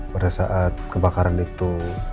pada saat kebakaran itu